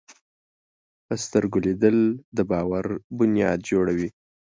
په سترګو لیدل د باور بنیاد جوړوي